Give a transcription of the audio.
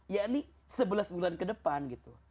ya ini sebelas bulan ke depan gitu